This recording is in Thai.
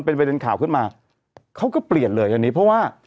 เป็นประเด็นข่าวขึ้นมาเขาก็เปลี่ยนเลยอันนี้เพราะว่า